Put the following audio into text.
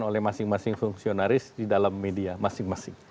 oleh masing masing fungsionaris di dalam media masing masing